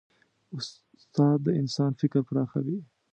استاد د انسان فکر پراخوي.